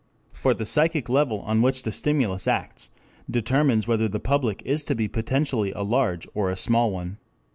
For the "psychic level" on which the stimulus acts determines whether the public is to be potentially a large or a small one.